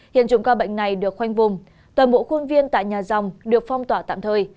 hiện chủng ca bệnh này được khoanh vùng toàn bộ khuôn viên tại nhà dòng được phong tỏa tạm thời